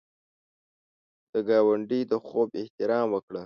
د ګاونډي د خوب احترام وکړه